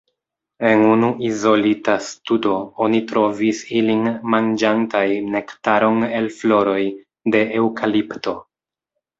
En unu izolita studo oni trovis ilin manĝantaj nektaron el floroj de eŭkalipto.